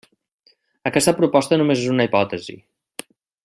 Aquesta proposta només és una hipòtesi.